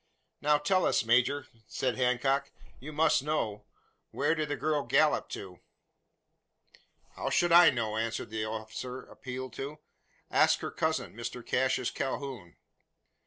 "Now tell us, major!" said Hancock: "you must know. Where did the girl gallop to?" "How should I know?" answered the officer appealed to. "Ask her cousin, Mr Cassius Calhoun."